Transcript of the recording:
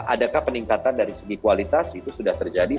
adakah peningkatan dari segi kualitas itu sudah terjadi